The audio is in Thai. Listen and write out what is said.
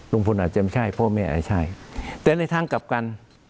ลุงพลอาจจะไม่ใช่พ่อแม่อาจจะใช่แต่ในทางกลับกัน